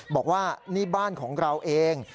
บอกว่านี่บ้านของเราเอง